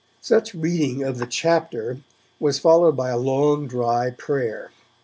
Such reading of 'the chapter' was followed by a long dry prayer.